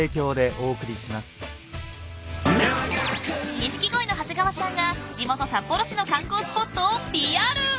［錦鯉の長谷川さんが地元札幌市の観光スポットをＰＲ］